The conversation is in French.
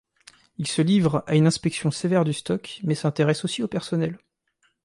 Ils se livrent à une inspection sévère du stock mais s'intéressent aussi au personnel.